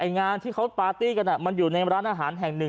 งานที่เขาปาร์ตี้กันมันอยู่ในร้านอาหารแห่งหนึ่ง